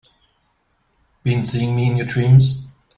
Been seeing me in your dreams?